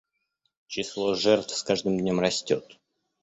Число жертв с каждым днем растет.